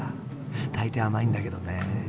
大体甘いんだけどねえ。